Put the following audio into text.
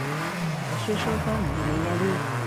Elsősorban növényevő.